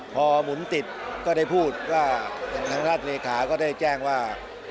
พอหมุนติดก็ได้พูดว่าทางรัฐเลขาก็ได้แจ้งว่า